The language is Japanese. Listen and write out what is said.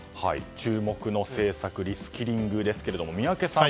注目の政策リスキリングですけども宮家さん